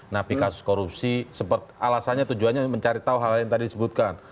napi kasus korupsi alasannya tujuannya mencari tahu hal hal yang tadi disebutkan